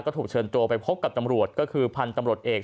ก็ถูกเชิญตัวไปพบกับตำรวจก็คือพันธุ์ตำรวจเอก